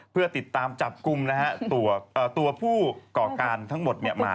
เพื่อติดตามจับกลุ่มตัวผู้ก่อการทั้งหมดมา